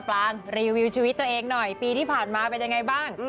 ปลานรีวิวชีวิตตัวเองหน่อยปีที่ผ่านมาเป็นยังไงบ้าง